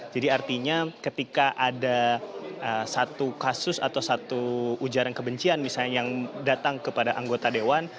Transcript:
jadi artinya ketika ada satu kasus atau satu ujaran kebencian misalnya yang datang kepada anggota dewan